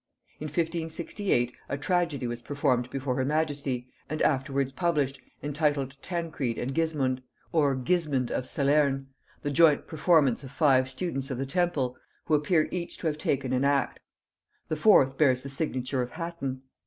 In 1568 a tragedy was performed before her majesty, and afterwards published, entitled Tancred and Gismund, or Gismonde of Salerne, the joint performance of five students of the Temple, who appear each to have taken an act; the fourth bears the signature of Hatton.